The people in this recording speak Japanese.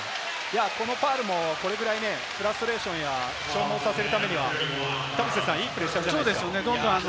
このファウルもこのくらいフラストレーションや、消耗させるためには、いいプレッシャーじゃないですか。